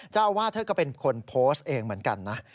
จ้าอาวาทก็เป็นคนโพสต์เหมือนกัน